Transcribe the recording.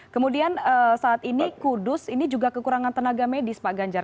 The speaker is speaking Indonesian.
kemudian saat ini kudus ini juga kekurangan tenaga medis pak ganjar